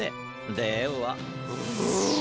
では。